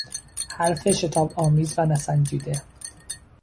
حرف شتابآمیز و نسنجیده